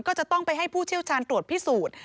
ก็จะต้องไปให้ผู้เชี่ยวชาญตรวจพิสูจน์